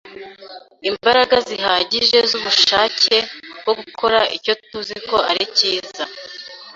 imbaraga zihagije z’ubushake bwo gukora icyo tuzi ko ari cyiza.